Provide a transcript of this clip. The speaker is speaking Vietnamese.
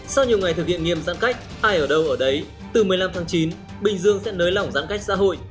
sau nhiều ngày thực hiện nghiêm giãn cách ai ở đâu ở đấy từ một mươi năm tháng chín bình dương sẽ nới lỏng giãn cách xã hội